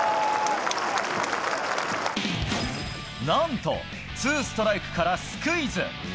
何と、ツーストライクからスクイズ。